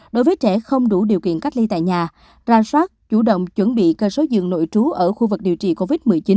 đối với trẻ không đủ điều kiện cách ly tại nhà ra soát chủ động chuẩn bị cơ sở giường nội trú ở khu vực điều trị covid một mươi chín